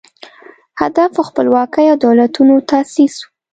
هدف خپلواکي او دولتونو تاسیس و